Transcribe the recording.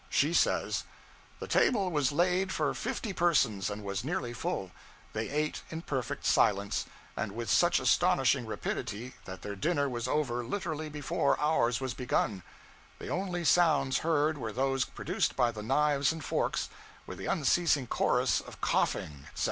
She says 'The table was laid for fifty persons, and was nearly full. They ate in perfect silence, and with such astonishing rapidity that their dinner was over literally before ours was begun; the only sounds heard were those produced by the knives and forks, with the unceasing chorus of coughing, etc.'